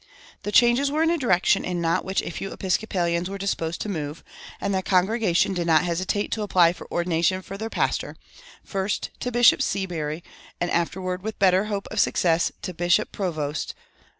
The changes were in a direction in which not a few Episcopalians were disposed to move,[224:1] and the congregation did not hesitate to apply for ordination for their pastor, first to Bishop Seabury, and afterward, with better hope of success, to Bishop Provoost.